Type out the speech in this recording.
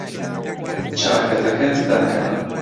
چاکەتەکەت داکەنە.